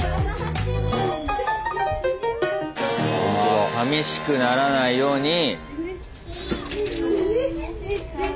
あさみしくならないように。